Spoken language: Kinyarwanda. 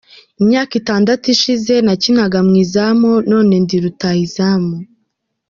Imyaka itandatu ishize nakinaga mu izamu none ndi rutahizamu.